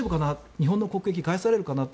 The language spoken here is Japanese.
日本の国益、害されるかな？